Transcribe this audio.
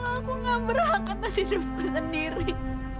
kalau aku gak berhak untuk hidupku sendiri